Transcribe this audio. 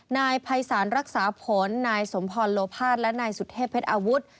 นายภัยศาลรักษาผลนายสมพรโลภาษและนายสุเทพเพชรอาวุธ